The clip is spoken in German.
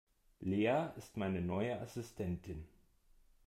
Lea ist meine neue Assistentin.